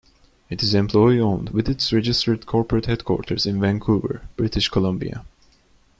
It is employee-owned, with its registered corporate headquarters in Vancouver, British Columbia.